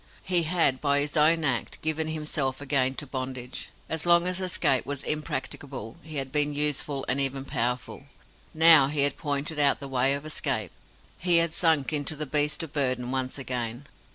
He had, by his own act, given himself again to bondage. As long as escape was impracticable, he had been useful, and even powerful. Now he had pointed out the way of escape, he had sunk into the beast of burden once again.